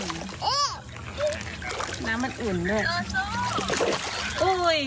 น้ำมันอุ่นด้วย